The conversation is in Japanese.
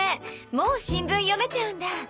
もう新聞読めちゃうんだ。